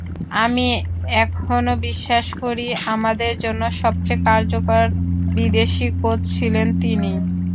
আমি এখনো বিশ্বাস করি, আমাদের জন্য সবচেয়ে কার্যকর বিদেশি কোচ ছিলেন তিনিই।